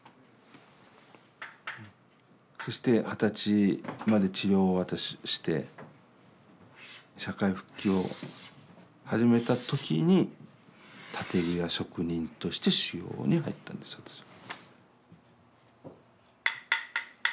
そして二十歳まで治療を私して社会復帰を始めた時に建具屋職人として修業に入ったんです私は。